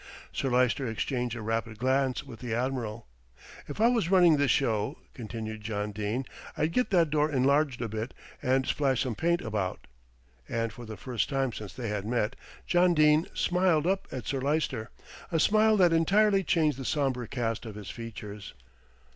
Sir Lyster exchanged a rapid glance with the Admiral. "If I was running this show," continued John Dene, "I'd get that door enlarged a bit and splash some paint about;" and for the first time since they had met John Dene smiled up at Sir Lyster, a smile that entirely changed the sombre cast of his features.